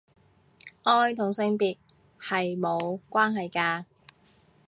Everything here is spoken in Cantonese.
愛同性別係無關係㗎